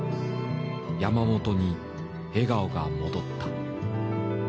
山本に笑顔が戻った。